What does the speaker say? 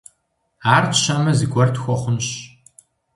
Ар тщэмэ, зыгуэр тхуэхъунщ.